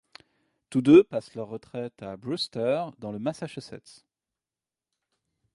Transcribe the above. Tous deux passent leur retraite à Brewster, dans le Massachusetts.